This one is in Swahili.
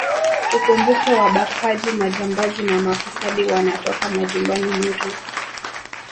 Tukumbuke wabakaji majambazi na mafisadi wanatoka majumbani mwetu